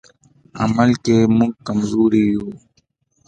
عمل کې موږ کمزوري یو.